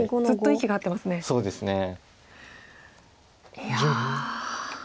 いや。